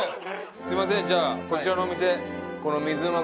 すみませんじゃあこちらのお店この水うま